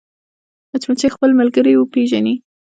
مچمچۍ خپلې ملګرې پېژني